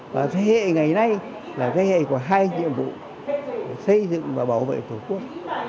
và thế hệ ngày nay là thế hệ của hai nhiệm vụ xây dựng và bảo vệ tổ quốc